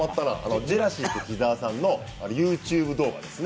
ジュラシック木澤さんのＹｏｕＴｕｂｅ動画ですね。